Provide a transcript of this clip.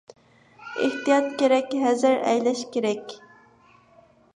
ئېھتىيات كېرەك! ھەزەر ئەيلەش كېرەك!